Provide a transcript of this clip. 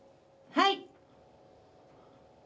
はい！